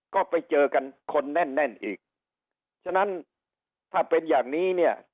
ก็ไปเจอกันคนแน่นแน่นอีกฉะนั้นถ้าเป็นอย่างนี้เนี่ย